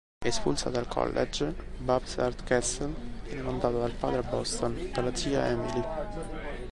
Espulsa dal college, Babs Hardcastle viene mandata dal padre a Boston, dalla zia Emily.